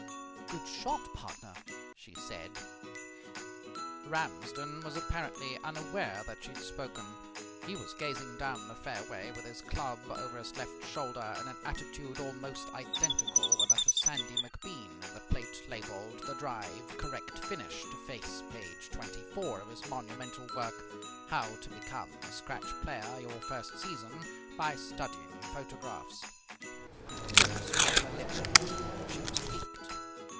"Good shot, partner!" she said. Ramsden was apparently unaware that she had spoken. He was gazing down the fairway with his club over his left shoulder in an attitude almost identical with that of Sandy McBean in the plate labelled "The Drive Correct Finish", to face page twenty four of his monumental work, "How to Become a Scratch Player Your First Season by Studying Photographs". Eunice bit her lip. She was piqued.